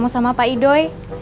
mau sama pak idoi